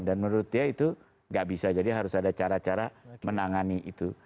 dan menurut dia itu nggak bisa jadi harus ada cara cara menangani itu